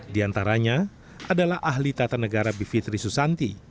di antaranya adalah ahli tata negara bivitri susanti